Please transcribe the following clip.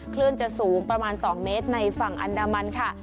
คลื่นจะสูงประมาณ๒เมตรในฝั่งอันดามันค่ะ